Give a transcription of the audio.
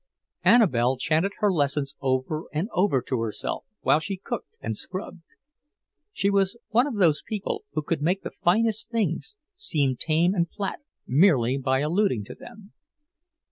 Annabelle chanted her lessons over and over to herself while she cooked and scrubbed. She was one of those people who can make the finest things seem tame and flat merely by alluding to them.